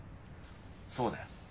そうだよ。